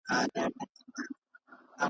د ميرويس نيکه پيوند دی .